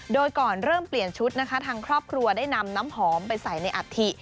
โดยก่อนเริ่มเปลี่ยนชุดนะคะทางครอบครัวได้นำน้ำหอมไปใส่ในอัฐิ